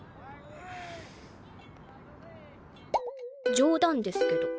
冗談ですけど。